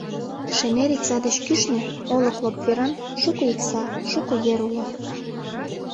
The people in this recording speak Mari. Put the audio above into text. Шемер икса деч кӱшнӧ, олык лоп веран, шуко икса, шуко ер уло.